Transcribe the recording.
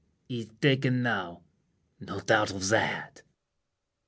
He's taken now—no doubt of that!